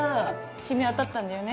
しみ渡ったんだよね。